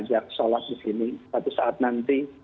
dia sholat di sini satu saat nanti